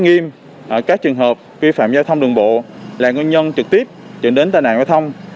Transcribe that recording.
nghiêm các trường hợp vi phạm giao thông đường bộ là nguyên nhân trực tiếp dẫn đến tai nạn giao thông